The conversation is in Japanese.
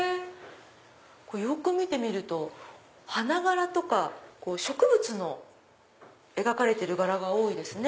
よく見てみると花柄とか植物の描かれてる柄が多いですね。